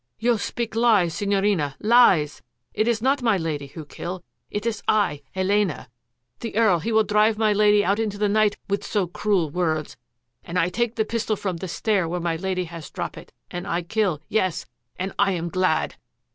" You speak lies, Signorina, lies ! It is not my Lady who kill. It is I, Elena ! The Earl he THE CONFESSION 867 will drive my Lady out into the night with so cruel words, and I take the pistol from the stair where my Lady has drop it, and I kill, yes, and I am glad